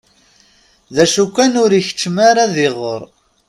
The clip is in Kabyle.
D acu kan ur ikeččem ara ad iɣer.